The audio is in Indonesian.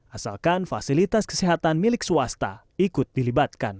asalkan fasilitas kesehatan milik swasta ikut dilibatkan